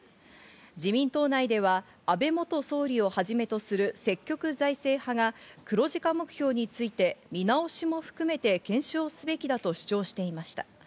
自民党内では安倍元総理をはじめとする積極財政派が黒字化目標について、見直しも含めて検証すべきだと主張していました。